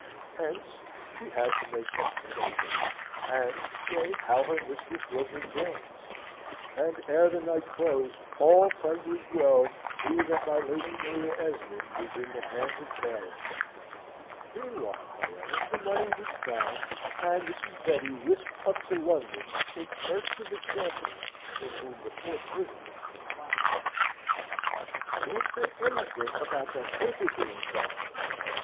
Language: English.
Hence, she had to make explanations, and to say how her mistress was in durance; and, ere the night closed, all Tunbridge Wells knew that my Lady Maria Esmond was in the hands of bailiffs. Meanwhile, however, the money was found, and Mrs. Betty whisked up to London in search of the champion in whom the poor prisoner confided. "Don't say anything about that paper being gone!